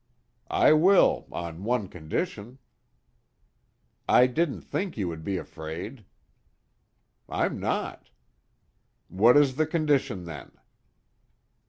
"I will, on one condition." "I didn't think you would be afraid." "I'm not." "What is the condition then?"